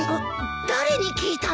誰に聞いたのさ！